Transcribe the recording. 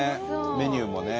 メニューもね。